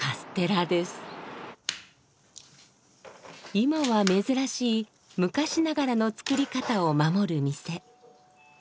今は珍しい昔ながらの作り方を守る店。